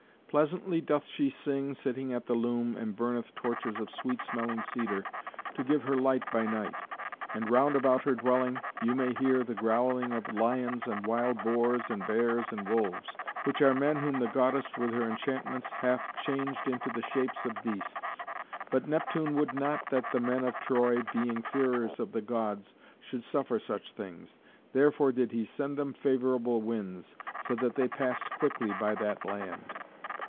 Pleasantly doth she sing, sitting at the loom, and burneth torches of sweet smelling cedar to give her light by night. And round about her dwelling you may hear the growling of lions and wild boars and bears and wolves, which are men whom the goddess with her enchantments hath changed into the shapes of beasts. But Neptune would not that the men of Troy, being fearers of the Gods, should suffer such things. Therefore did he send them favourable winds, so that they passed quickly by that land.